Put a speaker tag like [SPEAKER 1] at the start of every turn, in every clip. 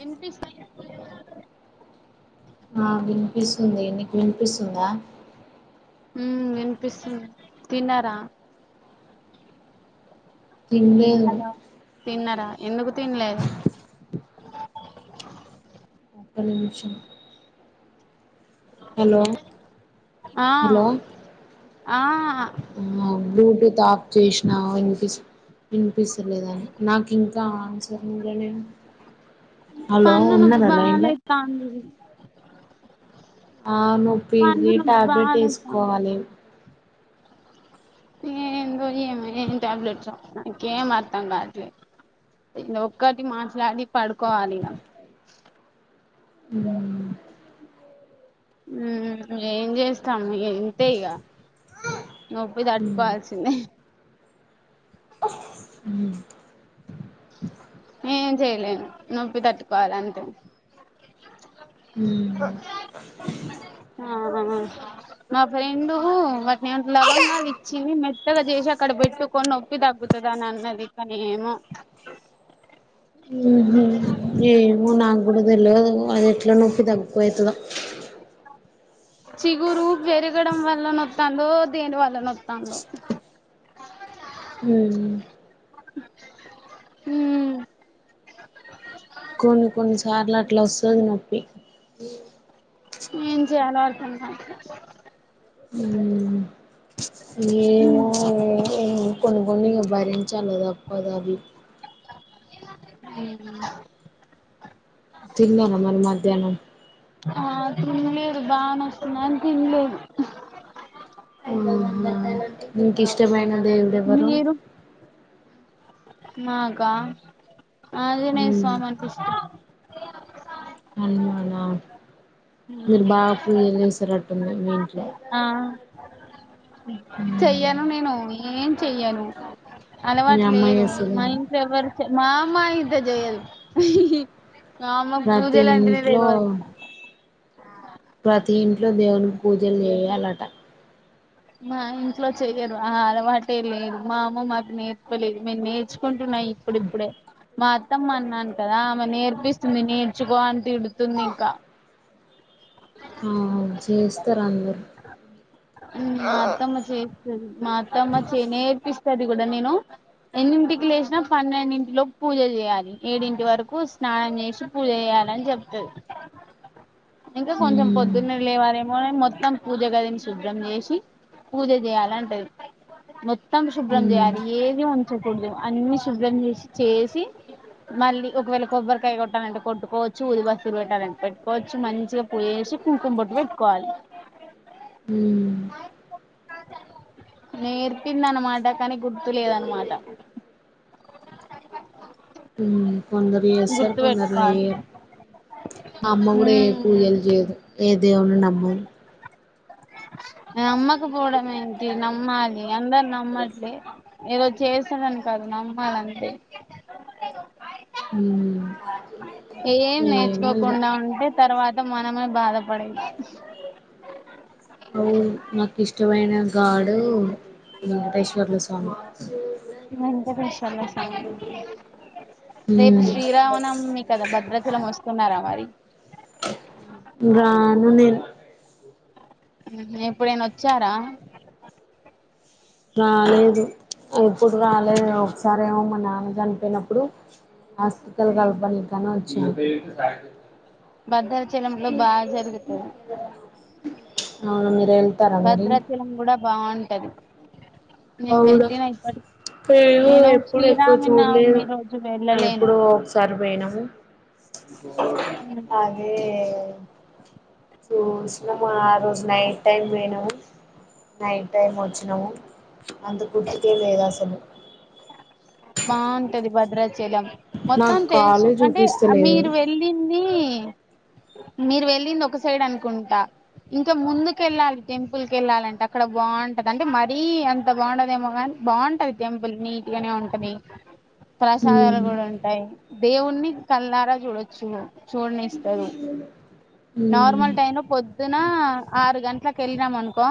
[SPEAKER 1] వినిపిస్తుంది
[SPEAKER 2] ఆ వినిపిస్తుంది నికి వినిప్ పిస్తుందా
[SPEAKER 1] ఊ వినిపిస్తుంది తిన్నారా
[SPEAKER 2] తినలేదు
[SPEAKER 1] హలో తిన్నరా ఎందుకు తిన్లేదు
[SPEAKER 2] ఒక్క నిమిషం హలో
[SPEAKER 1] ఆ
[SPEAKER 2] హలో
[SPEAKER 1] ఆ
[SPEAKER 2] బ్లూటూత్ ఆఫ్ చేసినావు ఈ పిస్ వినిపిస్తలేద నాకు ఇంకా ఆన్సర్ ఇయ్యలేదు
[SPEAKER 1] పన్ను నాకు బాలేస్తాంది.
[SPEAKER 2] ఆ
[SPEAKER 1] పన్ను
[SPEAKER 2] నొప్పిది
[SPEAKER 1] నొప్పి
[SPEAKER 2] టాబ్లెట్
[SPEAKER 1] బాలేత్తాంది
[SPEAKER 2] వేసుకోవాలి.
[SPEAKER 1] ఏందో ఏమో ఏం ట్యాబ్లెట్సో నాకేం అర్తం కావట్లే ఇంగ ఒక్కటి మాట్లాడి పడుకోవాలిగ
[SPEAKER 2] ఊ
[SPEAKER 1] మ్మ్ ఏం చేస్తాం ఇగ ఇంతే ఇగ నొప్పి
[SPEAKER 2] ఉమ్,
[SPEAKER 1] తట్టుకోవాల్సిందే
[SPEAKER 2] ఉమ్,
[SPEAKER 1] ఏం చేయలేను నొప్పి తట్టుకోవాలంతే
[SPEAKER 2] ఉమ్.
[SPEAKER 1] ఆ మా ఫ్రెండు వాటినేమంటర్ లవంగాలు ఇచ్చింది మెత్తగా చేసి అక్కడ పెట్టుకొని నొప్పి తగ్గుతదని అన్నది కానీ ఏమో
[SPEAKER 2] ఉహు. ఏమో నాకు కూడా తెల్వదు అది ఎట్లా నొప్పి తగ్గిపోతదో
[SPEAKER 1] చిగురు పెరగడం వల్ల నొత్తందో దేని వల్ల నొత్తందో ఊ
[SPEAKER 2] కొన్ని కొన్నిసార్లు అట్లా వస్తది నొప్పి
[SPEAKER 1] ఏం చేయాలో అర్థం కావట్లే
[SPEAKER 2] ఉ ఏ కొన్ని కొన్ని భరించాలదాప్పదా అవి
[SPEAKER 1] అ
[SPEAKER 2] తిన్నాన మరి మధ్యాహ్నం
[SPEAKER 1] ఆ తినలేదు బాగా నొస్తుంది అని తినలేదు
[SPEAKER 2] నీకు ఇష్టమైన దేవుడెవరో
[SPEAKER 1] నాగా అద న
[SPEAKER 2] ఉమ్
[SPEAKER 1] సోమానుపిస్తు
[SPEAKER 2] హనుమానా మీరు బాగా పూజలు చేసారట్టుంది మీ ఇంట్లో
[SPEAKER 1] ఆ చెయ్యాను నేను ఏం చెయ్యాను
[SPEAKER 2] మీ
[SPEAKER 1] అలవాటు
[SPEAKER 2] అమ్మ
[SPEAKER 1] లేదు మా
[SPEAKER 2] చేస్తదేమో
[SPEAKER 1] ఇంట్లో ఎవరు మా అమ్మ ఇతే జయద్ ఆమ్మ
[SPEAKER 2] ప్రతి
[SPEAKER 1] పూజలాంటినే
[SPEAKER 2] ఇంట్లో
[SPEAKER 1] తెవదు
[SPEAKER 2] ప్రతి ఇంట్లో దేవునికి పూజలు చేయాలట
[SPEAKER 1] మా ఇంట్లో చెయ్యరు ఆ అలవాటే లేదు మా అమ్మ మాకు నేర్చుకోలేదు మేము నేర్చుకుంట న్నాయి ఇప్పుడిప్పుడే మా అత్తమ అన్నాను కదా ఆమె నేర్పిస్తుంది నేర్చుకో అని తిడుతుంది ఇంకా
[SPEAKER 2] ఆ చేస్తారు అందరు
[SPEAKER 1] మా అత్తమ్మ చేస్తుంది మా అత్తమ్మ చేనేర్పిస్తంది ది కూడా నేను ఎన్నింటికి లేచినా పన్నెండింటిలోకి పూజ చేయాలి ఏడింటి వరకు స్నానం చేసి పూజ చేయాలని చెప్తంది ఇంకా కొంచెం
[SPEAKER 2] ఉమ్
[SPEAKER 1] పొద్దున్నే లేవారే మ మొత్తం పూజగా జని శుభ్రం చేసి పూజ చేయాలంటది మొత్తం శుభ్రం
[SPEAKER 2] ఉమ్
[SPEAKER 1] చేయాలి ఏది ఉంచకూడదు అన్ని శుభ్రం చేసి చేసి మళ్ళీ ఒకవేళ కొబ్బరికాయ కొట్టాలంటే కొట్టుకోవచ్చు ఊది బస్తురు పెట్టాలంటే పెట్టుకోవచ్చు మంచిగా పూజ చేసి కుంకుమ పట్టు పెట్టుకోవాలి
[SPEAKER 2] ఉమ్
[SPEAKER 1] నేర్పింద అనమాట కానీ గుర్తులేదనమాట
[SPEAKER 2] కొందరు చేస్తారు
[SPEAKER 1] గుర్తు
[SPEAKER 2] కొందరు
[SPEAKER 1] పెట్టుకోవాలి
[SPEAKER 2] చేయ్యరు మా అమ్మ కూడా ఏ పూజలు చేయదు ఏ దేవుణ్ణి నమ్మదు
[SPEAKER 1] అమ్మాకు పోడం ఏంటి నమ్మాలి అందా నమ్మట్లే ఈరోజు చేసాడని కాదు నమ్మాలంటే
[SPEAKER 2] మ్మ్
[SPEAKER 1] ఏం
[SPEAKER 2] ఏమో ఇగ
[SPEAKER 1] నేర్చుకోకుండా ఉంటే తర్వాత మనమే బాధప
[SPEAKER 2] అవు నాకు ఇష్టమైన గాడు వెంకటేశ్వర్ల స్వామి
[SPEAKER 1] ఎంత కషంది సంగ రేపు
[SPEAKER 2] మ్మ్
[SPEAKER 1] శ్రీరామనవమి కదా భద్రచలం వస్తున్నారా మరి
[SPEAKER 2] రాను నేన్
[SPEAKER 1] ఊహు ఇప్పుడేన వచ్చారా.
[SPEAKER 2] రాలేదు. ఎప్పుడు రాలేదు ఒకసారేమో మా నాన్న చనిపోయినప్పుడు. ఆస్తికల్ కాలపడానికనీ వచ్ చ్చిన
[SPEAKER 1] భద్ధర్ చ్ చలంలో బాగా జరుగుతది.
[SPEAKER 2] అవును మీరు వెళ్తారా మరి
[SPEAKER 1] భద్రాచలం కూడా బావుంటది.
[SPEAKER 2] అవునా
[SPEAKER 1] నేను
[SPEAKER 2] [unintelligible] ఎప్పుడు ఎక్కువ చూడ్లేదు
[SPEAKER 1] శ్రీరామనవమి రోజు వెళ్ళలేను
[SPEAKER 2] ఎప్పుడో ఒకసారి పోయిన్నాం. అదే చూసినాము ఆ రోజు నైట్ టైం పోయినం. నైట్ టైం వచ్చినం అంత గుర్తుకే లేదసలు
[SPEAKER 1] ద్రాచలం మొత్తం
[SPEAKER 2] నాకు
[SPEAKER 1] తెలిసి
[SPEAKER 2] కాలే
[SPEAKER 1] అంటే
[SPEAKER 2] చూపిస్తలేదు
[SPEAKER 1] మీరు వెళ్ళింది. మీరు వెళ్ళింది. ఒక సైడ్ అనుకుంట ఇంకా ముందుకు వెళ్ళాలి. టెంపుల్ కేళ్ళాలంటే అక్కడ బావుంటది. అంటే మరీ అంత బాగుండదేమో కాని బావుంటది. టెంపుల్ నీట్ గానే ఉంట్ టాది ప్రసాదాలు
[SPEAKER 2] మ్మ్
[SPEAKER 1] గూడుంటాయి. దేవుణ్ణి కల్నారా జూడొచ్చు. చూడనిస్తారు.
[SPEAKER 2] మ్మ్
[SPEAKER 1] నార్మల్ టైం లో పొద్దున. ఆరు గంట్లా కేళ్ళినం అనుకో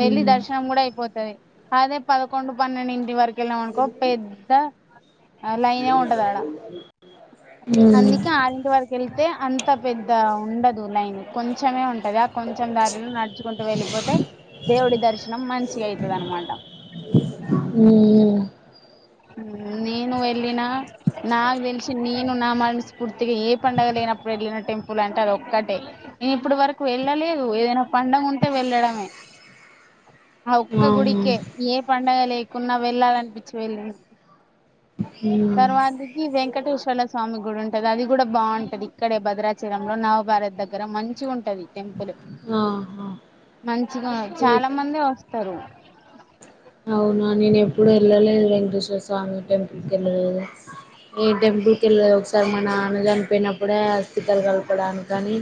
[SPEAKER 1] వెళ్లి
[SPEAKER 2] మ్మ్
[SPEAKER 1] దర్శనం గూడా అయిపోతది. అదే పదకొండు, పన్నెండింటి వరకెల్నా కోపేద్ద లైనే ఉంటదాడా
[SPEAKER 2] మ్మ్
[SPEAKER 1] అందుకే ఆరింటి వరకు వెళ్త్ అంటే అంత పెద్ద ఉండదు లైన్. కొంచమే ఉంట్ కదా కొంచెం దారిలో నడుచుకుంటూ వెళ్ళిపోతే. దేవుడి దర్శనం మంచి గాయితదనమాట.
[SPEAKER 2] మ్మ్
[SPEAKER 1] నేను ఎప్ వెళ్ళిన నాక్ తెలిసి నీ నేను నా మనస్ఫూర్తిగా ఏ పండగ లేనప్పుడు వెళ్ళిన టెంపుల్ అంటే అదోక్కటే. నేను ఇప్పుడు వరకు వెళ్ళలేదు. ఏదైనా పండగ ఉంటే వెళ్ళడమే. ఆ ఒక్క
[SPEAKER 2] ఆహా
[SPEAKER 1] గుడికే ఏ పండ్ డగా లేకున్నా. వెళ్ళాలనిపించి వేల్లిన్
[SPEAKER 2] హ్మ్
[SPEAKER 1] ఈ వెంకటేశ్వర్ల స్వామి గుడి ఉంటది. అది గూడా బావుంటది. ఇక్కడే భద్రాచలంలో, నవభారత్ దగ్గర మంచిగుంటది. టెంపులు
[SPEAKER 2] ఆహా
[SPEAKER 1] మంచిగా ఉ చాలా మందే వస్తారు.
[SPEAKER 2] అవునా నేను ఎప్పుడూ ఏళ్ళలేద్ వెంకటేశ్వర స్వామి టెంపుల్కేళ్ళలేదు. ఏ టెంపుల్కేళ్ళలే ఒకసారి మా నాన్న చనిపోయినప్పుడే. ఆ అస్థికలు కలపడానికి కానీ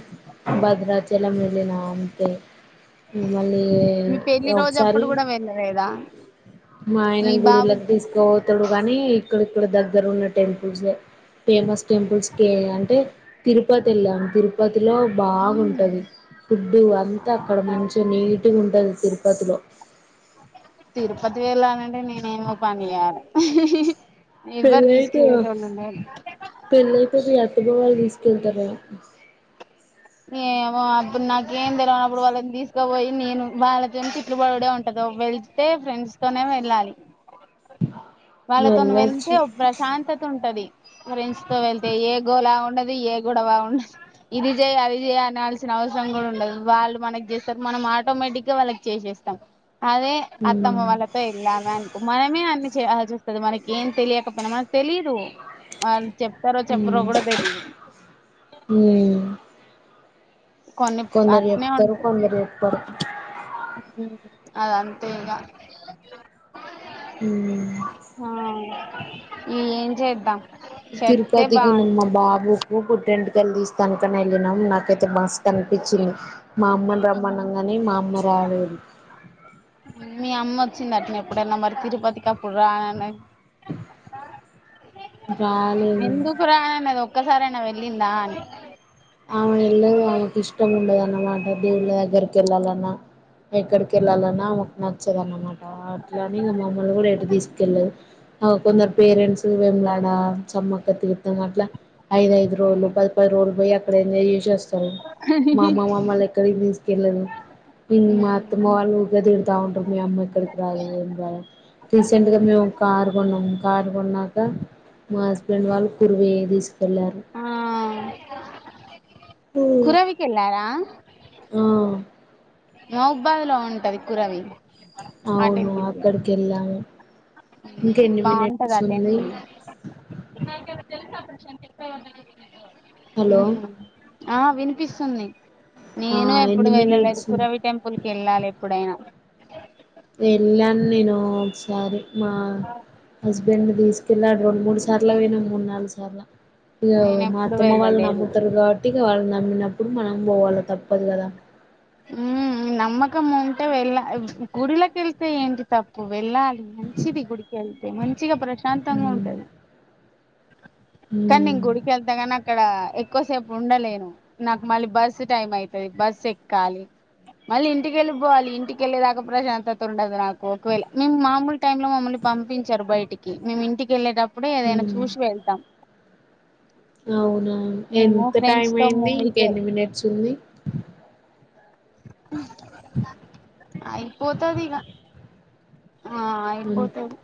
[SPEAKER 2] భద్రాచలం వెళ్ళిన. ఆంత మళ్ళీ
[SPEAKER 1] మీ పెళ్లి రోజు అప్పుడు
[SPEAKER 2] ఒకసారి
[SPEAKER 1] కూడా వెళ్ళలేదా
[SPEAKER 2] మా ఆయన
[SPEAKER 1] మీ బాబు
[SPEAKER 2] గుడిళకి తీసుకుపోతాడు గానీ ఇక్కడక్కడ దగ్గర ఉన్నట్టు టెంపుల్స్ ఫేమస్ టెంపుల్స్కి అంటే తిరుపతి వెళ్ళాము తిరుపతిలో బాగుంటుంది ఫుడ్డు అంతా అక్కడ మంచిగా నీట్ పటిగ గాతిరుపతిలో
[SPEAKER 1] తిరుపతి వెళ్ళానండి నే నేనేమో పనియారు ఎవ్వరు
[SPEAKER 2] పెళ్ళయితే
[SPEAKER 1] తీసుకెళ్ళతు లేరు
[SPEAKER 2] గాలు తీసుకెళ్తార
[SPEAKER 1] ఏ అ నాకు ఏము తెలవనప్పుడు వాలాను పోయి నేను వలతిని తట్లుబాడే ఉంటదో వెళ్తే ఫ్రెండ్స్ తనే వెళ్ళాలి వాళ్ళతో వెళ్తే
[SPEAKER 2] వెళ్ళొచ్చు
[SPEAKER 1] ఒక ప్రశాంతత ఉంటది ఫ్రెండ్స్ తో వెళ్తే ఏ గోలా ఉండదు ఏ గోడవ ఉండదు ఇది య అది చేయ అనల్సిన అవసరం కూడా ఉండదు వాళ్ళు మనకి చేస్తారు మనం ఆటోమేటిక్గా వాళ్ళకి చేసేస్తాం అదే అత్తమ్మ
[SPEAKER 2] ఉమ్
[SPEAKER 1] వాళ్ళతో ఇళ్లామే అనుకో మనమే అన్ని చేయాల్సి వస్తది మనకి ఏం తెలియకపోయినా మనకు తెలీదు అల్ చెప్తారో చెప్పరో
[SPEAKER 2] ఉమ్
[SPEAKER 1] కూడా తెలీదు
[SPEAKER 2] ఉమ్
[SPEAKER 1] కొన్ని
[SPEAKER 2] కొందరు
[SPEAKER 1] అట్నే
[SPEAKER 2] చెప్తారు
[SPEAKER 1] ఉంటాయి
[SPEAKER 2] కొందరు చెప్పరు
[SPEAKER 1] అదంతే ఇగా
[SPEAKER 2] మ్
[SPEAKER 1] ఏం చేద్దా
[SPEAKER 2] తిరుపతికి మా బాబుకు పుట్టే వెంట్ తీస్తానుకని వెళ్ళినాం నాకైతే బా కనిపించింది మా అమ్మని రమ్మన్నంగానే మా అమ్మ రాలేదు
[SPEAKER 1] మీ అమ్మ వచ్చిందట్న ఎప్పుడైనా మరి తిరుపతికి అప్పుడు రాననే
[SPEAKER 2] రాలేదు
[SPEAKER 1] ఎందుకు రా [unintelligible] ఒక్కసారైనా వెళ్ళిందా అని
[SPEAKER 2] ఆమె వెళ్ళదు ఆమెకు ఇష్టం ఉండదున్నమాట దేవుళ్ళ దగ్గరికి వెళ్ళాలన్నా, ఎక్కడికి వెళ్ళాలన్నా ఆమెకు నచ్చదున్నమాట, అట్లానే ఇంకా మమ్మల్ని కూడా ఎటు తీసుకెళ్ళదు ఆ కొందరు పేరెంట్స్ వెములాడా చమ్మక్క తీర్తాం అట్లా, ఐదఐదు రోజులు పది పది రోజులు పోయి అక్కడ ఎంజాయ్ చేస్ మా అమ్మ మామాలేక్కడికి యెల్లదు మ్మ్ మా
[SPEAKER 1] ఉమ్,
[SPEAKER 2] అత్తమ్మ వాళ్ళు ఉగాది తాగుటం మీ అమ్మక్ రాదు ఏం రాదు రీసెంట్గా మేము కారు కొన్నాం కార్ కొన్నాక మా హస్బెండ్ వాళ్ళు కురువై తీసుకెళ్ళారు.
[SPEAKER 1] ఆ కురవికెల్లారా
[SPEAKER 2] ఆ
[SPEAKER 1] రావ్బాదు లో ఉంటది కురవి ఆ
[SPEAKER 2] అవును
[SPEAKER 1] టెంపుల్ కి
[SPEAKER 2] అక్కడికి వెళ్ళాము. ఇంక
[SPEAKER 1] ఉమ్,
[SPEAKER 2] ఎన్ని
[SPEAKER 1] బాగుంటది
[SPEAKER 2] మినిట్స్
[SPEAKER 1] ఆ
[SPEAKER 2] ఉంది.
[SPEAKER 1] టెంపుల్ [inaudible]
[SPEAKER 2] హలో
[SPEAKER 1] ఉమ్, ఆ వినిపిస్తుంది.
[SPEAKER 2] ఆ
[SPEAKER 1] నేను ఎప్పుడు
[SPEAKER 2] ఎన్ని
[SPEAKER 1] వెళ్ళలేదు
[SPEAKER 2] మినిట్స్
[SPEAKER 1] కురవి టెంపుల్ కి వెళ్ళాలి ఎప్పుడైనా
[SPEAKER 2] వెళ్ళాను నేను ఒకసారి మా హస్బెండ్ తీసుకెళ్ళాడు రెండు మూడుసార్ల వేనం మూడు నాలుగు సార్ల ఇగా
[SPEAKER 1] నేను
[SPEAKER 2] మా
[SPEAKER 1] ఎప్పుడు
[SPEAKER 2] అత్తమ్మ వాళ్ళు
[SPEAKER 1] వెళ్ళలేదు
[SPEAKER 2] నమ్ముతరు కాబట్టి ఇగ వాళ్ళ నమ్మినప్పుడు మనం పోవాల తప్పదు గ దా
[SPEAKER 1] ఉమ్ నమ్మకం ఉంటే వెళ్ళ గుడిలక వెళ్తే ఏంటి తప్పు వెళ్ళాలి మంచిది గుడికి వెళ్తే మంచిగా ప్రశ ప్రశాంతంగా
[SPEAKER 2] ఉమ్
[SPEAKER 1] ఉంటది.
[SPEAKER 2] ఉమ్
[SPEAKER 1] కనింగ్ గుడికెళ్త గాని అక్కడ ఎక్కువసేపు ఉండలేను నాకు మళ్ళీ బస్సు టైం అయితది బస్సు ఎక్కాలి మళ్ళీ ఇంటికిళ్ళిపోవాలి ఇంటికెళ్ళేదాకా ప్రశాంతత ఉండదు నాకు ఒకవేళ మేము మామూలు టైమ్ లో మమ్మల్ని పంపించరు బయటికి మేము ఇంటికి వెళ్ళేటప్పుడు కుప్పుడే ఏదైనా చే
[SPEAKER 2] ఉమ్
[SPEAKER 1] చూసి వెళ్తాం
[SPEAKER 2] అవునా
[SPEAKER 1] మేము
[SPEAKER 2] ఎంత టైం
[SPEAKER 1] ఫ్రెండ్స్ తో
[SPEAKER 2] అయింది ఇంక
[SPEAKER 1] మూవీకి
[SPEAKER 2] ఎన్ని మినిట్స్ ఉంది.
[SPEAKER 1] మ్ అయిపోతది ఇగ ఆ అయిపోతది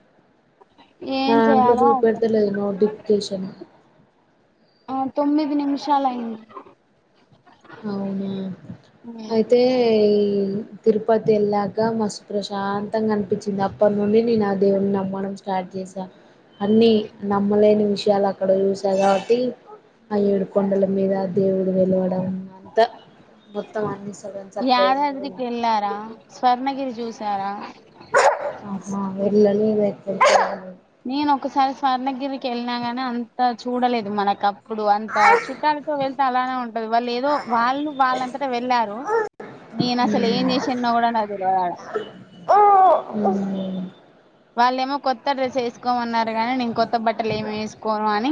[SPEAKER 1] ఏం
[SPEAKER 2] దాంట్లో
[SPEAKER 1] చేయాలో అర్థం
[SPEAKER 2] చూపెడతేలేదు నోటిఫ్కేషన్.
[SPEAKER 1] ఆ తొమ్మిది నిమిషాలు అయింది.
[SPEAKER 2] అవునా అయితే ఈ తిరుపతి వెళ్ళాక మస్తు ప్రశాంతంగా అనిపించింది. అప్పటి నుండి నేను ఆ దేవుని నమ్మడం స్టార్ట్ చేశా అన్ని నమ్మలేని విషయాలు అక్కడ చూసా కాబట్టి ఆ ఏడు కొండల మీద దేవుడు వెలవడం అంతా మొత్తం అన్ని సడన్ సర్ప్రైజ్
[SPEAKER 1] యాదాద్రి కి ఎల్లారా స్వర్ణగిరి జూస్ చారా
[SPEAKER 2] ఆహా [inaudible]
[SPEAKER 1] నేను ఒకసారి స్వర్ణగిరికి వెళ్ళినా గాని అంత చూడలేదు మనకు ఇప్పుడు అంత చుట్టాలతో వెళ్తే అలానే ఉంటది వాళ్ళు ఏదో వాళ్ళు వాళ్ళంతటా వెళ్ళారు నేను
[SPEAKER 2] వెళ్ళలేదు.
[SPEAKER 1] అసలు ఏం చేసిన కూడా నా తెలిరాడా
[SPEAKER 2] ఉమ్
[SPEAKER 1] వాళ్ళేమో కొత్త డ్రెస్ వేసు ఒక్కమన్నారు కాగానీ నే కొత్త బట్టలు ఏమి వేసుకోను అని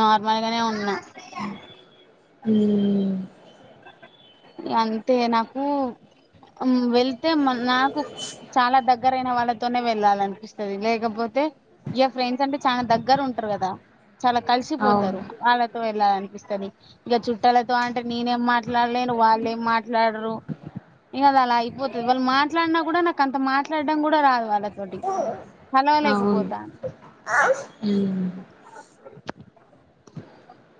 [SPEAKER 1] నార్మల్ గానే ఉన్నా
[SPEAKER 2] [inaudible] హ
[SPEAKER 1] అంతే నాకు వెళ్తే మ నాకు చాలా దగ్గర దగ్గర అయిన వాళ్ళతోనే వెళ్ళాల అనిపిస్తుంది లేకపోతే ఇ ఫ్రెండ్స్ అంటే చాలా దగ్గర ఉంటారు కదా చాలా
[SPEAKER 2] అవును
[SPEAKER 1] కలిసిపోతారు వాళ్ళతో ఇలా అనిపిస్తుంది ఇక చుట్టాలతో అంటే నేనేం మాట్లాడలేను వాళ్ళ ఏం మాట్లాడరు ఇంక అది అలా అయిపోతుది వాళ్ళు మాట్లాడినా కూడా నాకు అంత మాట్లాడడం కూడా రాదు వాళ్ళ
[SPEAKER 2] అవును